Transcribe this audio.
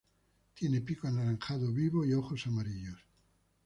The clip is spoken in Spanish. Tiene pico anaranjado vivo y ojos amarillos.